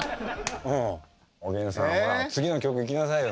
おげんさんほら次の曲いきなさいよ